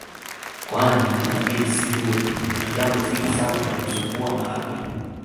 kwani aliamini si bure kuna jambo zito sana linalomsumbua Malatwe